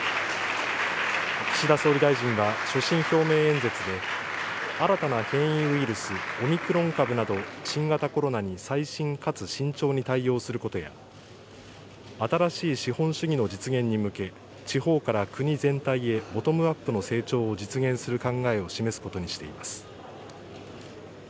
岸田総理大臣は、所信表明演説で、新たな変異ウイルス、オミクロン株など、新型コロナに細心かつ慎重に対応することや、新しい資本主義の実現に向け、地方から国全体へボトムアップの成長を実現する考えを示すことにしています。